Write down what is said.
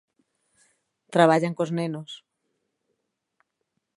Traballan cos nenos.